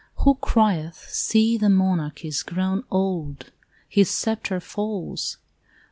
Who crieth, See, the monarch is grown old, His sceptre falls?